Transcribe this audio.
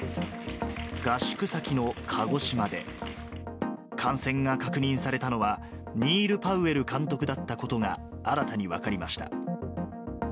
合宿先の鹿児島で感染が確認されたのは、ニール・パウエル監督だったことが新たに分かりました。